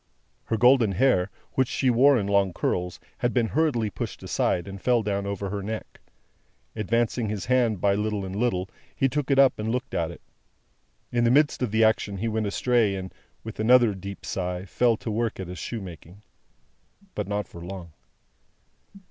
Her golden hair, which she wore in long curls, had been hurriedly pushed aside, and fell down over her neck. Advancing his hand by little and little, he took it up and looked at it. In the midst of the action he went astray, and, with another deep sigh, fell to work at his shoemaking. But not for long.